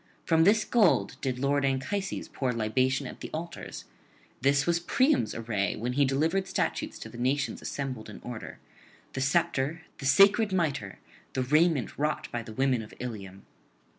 From this gold did lord Anchises pour libation at the altars; this was Priam's array when he delivered statutes to the nations assembled in order; the sceptre, the sacred mitre, the raiment wrought by the women of Ilium.